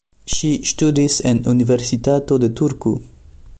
Ŝi ŝtudis en Universitato de Turku.